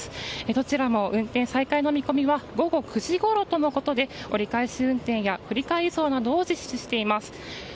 どちらも運転再開の見込みは午後９時ごろということで折り返し運転や振り替え輸送などを実施しています。